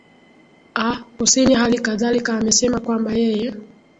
aah kusini halikadhalika amesema kwamba yeye